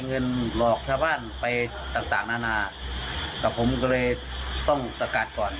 เงินหลอกชาวบ้านไปต่างต่างนานาแต่ผมก็เลยต้องสกัดก่อน